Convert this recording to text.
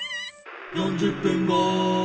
「４０分後」